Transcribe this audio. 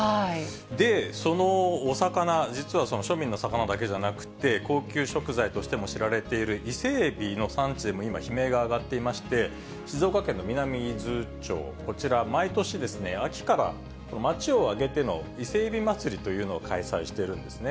で、そのお魚、実は庶民の魚だけじゃなくて、高級食材としても知られている伊勢エビの産地でも今、悲鳴が上がっていまして、静岡県の南伊豆町、こちら、毎年、秋から、町を挙げての伊勢海老まつりというのを開催しているんですね。